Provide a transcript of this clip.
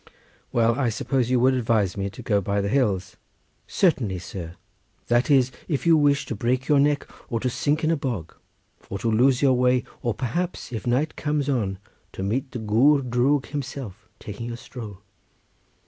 "Well, I suppose you would advise me to go by the hills." "Certainly, sir. That is, if you wish to break your neck, or to sink in a bog, or to lose your way, or perhaps, if night comes on, to meet the Gwr Drwg himself taking a stroll.